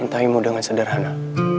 mencintaimu dengan sederhana